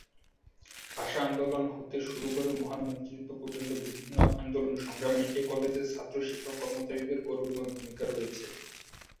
ভাষা আন্দোলন হতে শুরু করে মহান মুক্তিযুদ্ধ পর্যন্ত বিভিন্ন আন্দোলন সংগ্রামে এ কলেজের ছাত্র-শিক্ষক-কর্মচারীদের গৌরবময় ভূমিকা রয়েছে।